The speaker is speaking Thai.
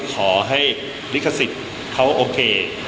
ขอให้ลิขสิทธิ์เขาโอเค